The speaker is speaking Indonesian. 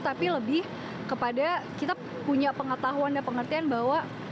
tapi lebih kepada kita punya pengetahuan dan pengertian bahwa